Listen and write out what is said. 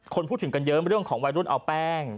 คนพูดถึงกันเยอะเรื่องของวัยรุ่นเอาแป้ง